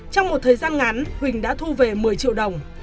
trong một thời gian ngắn huỳnh đã thu về một mươi triệu đồng